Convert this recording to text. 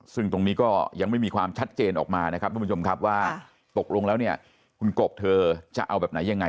ซึ่งตรงนี้ก็ยังไม่มีความชัดเจนออกมานะครับทุกผู้ชมครับว่าตกลงแล้วเนี่ยคุณกบเธอจะเอาแบบไหนยังไง